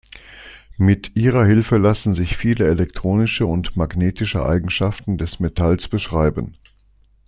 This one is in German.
Mit ihrer Hilfe lassen sich viele elektronische und magnetische Eigenschaften des Metalls beschreiben.